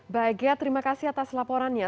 baik ya terima kasih atas laporannya